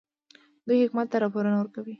دوی حکومت ته راپورونه ورکوي.